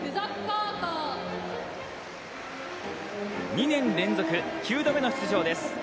２年連続９度目の出場です。